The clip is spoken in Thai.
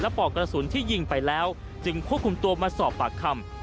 ปอกกระสุนที่ยิงไปแล้วจึงควบคุมตัวมาสอบปากคำ